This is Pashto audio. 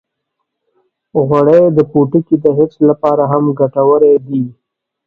غوړې د پوټکي د حفظ لپاره هم ګټورې دي.